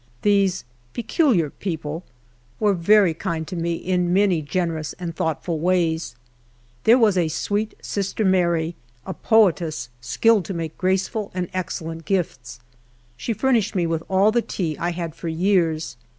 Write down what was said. These " peculiar people'' were very kind to me in many generous and thoughtful ways. There was a sweet *' Sister Mary," a poetess, skilled to make graceful and excellent gifts. She furnished me with all the tea 1 had for years.